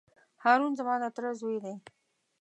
هارون زما د تره زوی دی.